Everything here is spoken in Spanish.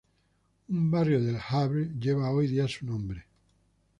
Un barrio de El Havre lleva hoy día su nombre.